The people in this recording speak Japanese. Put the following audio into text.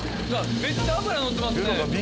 めっちゃ脂のってますね